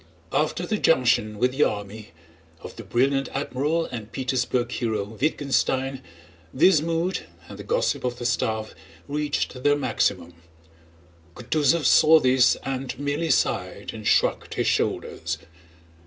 After the junction with the army of the brilliant admiral and Petersburg hero Wittgenstein, this mood and the gossip of the staff reached their maximum. Kutúzov saw this and merely sighed and shrugged his shoulders.